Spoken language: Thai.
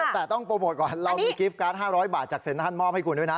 แต่ต้องโปรโมทก่อนเรามีกิฟต์การ์ด๕๐๐บาทจากเซ็นทรัลมอบให้คุณด้วยนะ